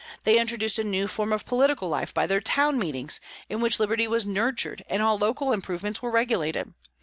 They introduced a new form of political life by their town meetings, in which liberty was nurtured, and all local improvements were regulated.